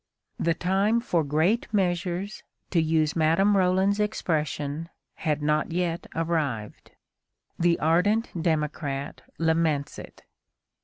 The time for great measures, to use Madame Roland's expression, had not yet arrived. The ardent democrat laments it.